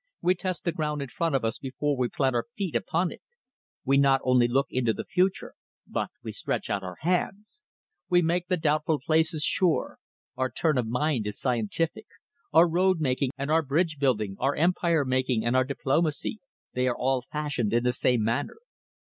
We test the ground in front of us before we plant our feet upon it. We not only look into the future, but we stretch out our hands. We make the doubtful places sure. Our turn of mind is scientific. Our road making and our bridge building, our empire making and our diplomacy, they are all fashioned in the same manner.